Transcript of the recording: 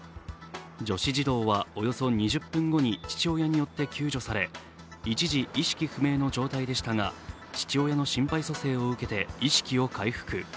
女子児童はおよそ２０分後に父親によって救助され一時意識不明の状態でしたが父親の心肺蘇生を受けて、意識を回復。